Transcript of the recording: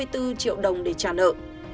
sáu mươi bốn triệu đồng để trả nợ